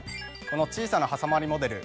この小さなはさまりモデル